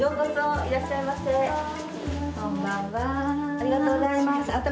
ありがとうございます。